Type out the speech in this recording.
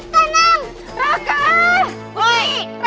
tidak denger teriakan kita